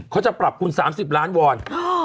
เขาจะปรับคุณ๓๐ล้านวอน